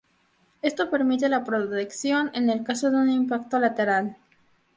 Esto permite la protección en el caso de un impacto lateral.